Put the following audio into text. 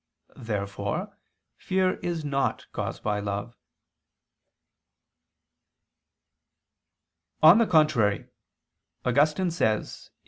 Therefore fear is not caused by love. On the contrary, Augustine says (QQ.